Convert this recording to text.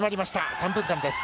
３分間です。